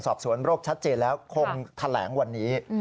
สอบสวนโรคชัดเจนแล้วคงแถลงวันนี้